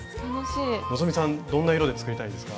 希さんどんな色で作りたいですか？